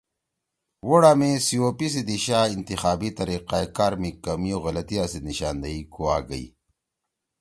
ووٹا می COP سی دیِشا انتخابی طریقہ کار می کمی او غلطیِا سی نشاندہی کُوا گئی